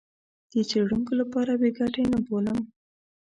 د څېړونکو لپاره بې ګټې نه بولم.